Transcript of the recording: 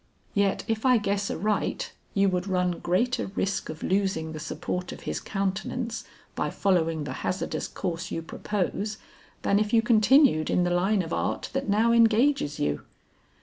"Yet if I guess aright you would run greater risk of losing the support of his countenance by following the hazardous course you propose, than if you continued in the line of art that now engages you."